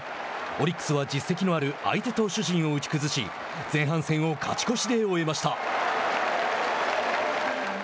オリックスは実績のある相手投手陣を打ち崩し前半戦を勝ち越しで終えました。